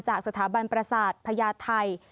จากสถาบันปราศาสตร์พญาติไทย